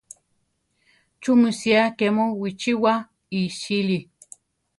¿Chú mu sía ké mu bichíwa iʼsíli?